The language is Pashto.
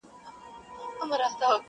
• یو احمد وو بل محمود وو سره ګران وه,